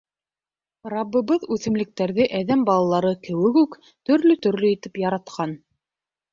Раббыбыҙ үҫемлектәрҙе әҙәм балалары кеүек үк төрлө-төрлө итеп яратҡан.